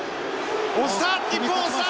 押した！